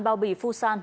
bao bì phu san